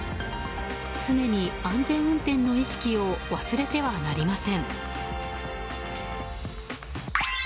常に、安全運転の意識を忘れてはなりません。